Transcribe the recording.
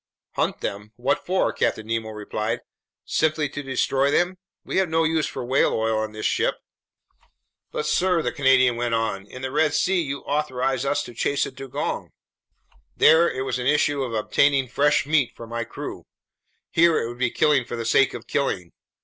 "Hunt them? What for?" Captain Nemo replied. "Simply to destroy them? We have no use for whale oil on this ship." "But, sir," the Canadian went on, "in the Red Sea you authorized us to chase a dugong!" "There it was an issue of obtaining fresh meat for my crew. Here it would be killing for the sake of killing.